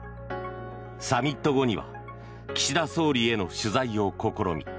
サミット後には岸田総理への取材を試み